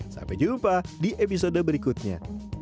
sampai jumpa di episode berikutnya